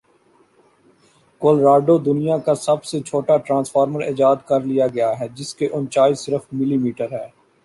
Colorado دنیا کا سب سے چھوٹا ٹرانسفارمر ایجاد کرلیا گیا ہے جس کے اونچائی صرف ملی میٹر ہے